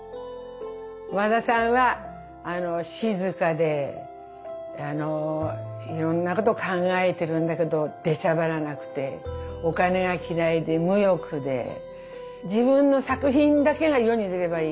和田さんは静かでいろんなこと考えてるんだけど出しゃばらなくてお金が嫌いで無欲で自分の作品だけが世に出ればいい